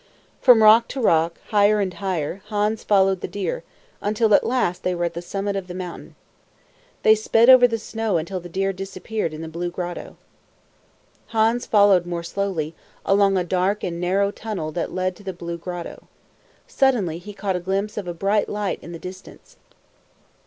From rock to rock, higher and higher, Hans followed the deer, until at last they were at the summit of the mountain. They sped over the snow until the deer disappeared in the Blue Grotto. Hans followed more slowly, along a dark and narrow tunnel that led to the Blue Grotto. Suddenly he caught a glimpse of a bright light in the distance.